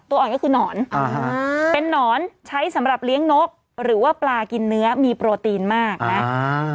อ่อนก็คือหนอนอ่าฮะเป็นนอนใช้สำหรับเลี้ยงนกหรือว่าปลากินเนื้อมีโปรตีนมากนะอ่า